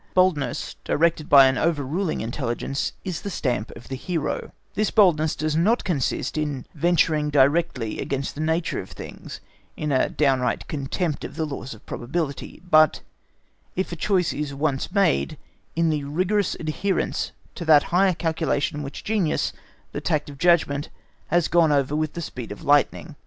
Boldness, directed by an overruling intelligence, is the stamp of the hero: this boldness does not consist in venturing directly against the nature of things, in a downright contempt of the laws of probability, but, if a choice is once made, in the rigorous adherence to that higher calculation which genius, the tact of judgment, has gone over with the speed of lightning.